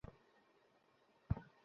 বলছি যে, তোদের মা কখনও সিট বেল্ট পরতো না।